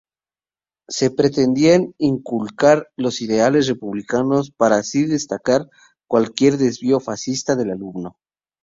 Se pretendía inculcar los ideales republicanos para así descartar cualquier "desvío fascista" del alumno.